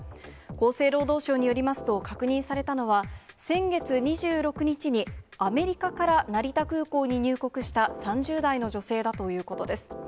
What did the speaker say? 厚生労働省によりますと、確認されたのは、先月２６日に、アメリカから成田空港に入国した３０代の女性だということです。